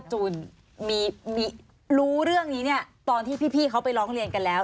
จูนมีรู้เรื่องนี้เนี่ยตอนที่พี่เขาไปร้องเรียนกันแล้ว